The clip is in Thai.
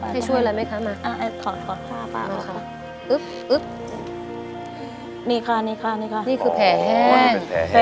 ให้ช่วยอะไรไหมคะมาเอาถอดก่อนผ้าป้าค่ะนี่ค่ะนี่คือแผ่แห้ง